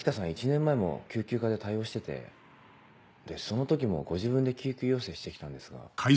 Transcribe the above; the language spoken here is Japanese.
１年前も救急科で対応しててでその時もご自分で救急要請して来たんですが。